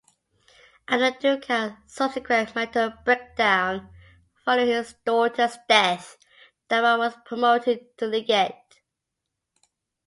After Dukat's subsequent mental breakdown following his daughter's death, Damar was promoted to legate.